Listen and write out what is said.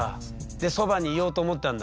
でそばにいようと思ったんだ。